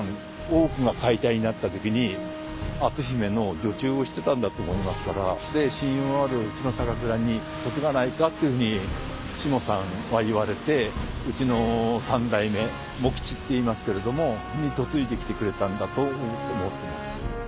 大奥が解体になった時に篤姫の女中をしてたんだと思いますから信用あるうちの酒蔵に嫁がないかっていうふうにしもさんは言われてうちの三代目茂吉っていいますけれどもに嫁いできてくれたんだと思ってます。